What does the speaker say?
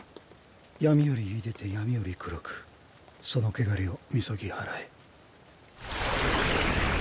闇より出でて闇より黒くその穢れを禊ぎ祓え。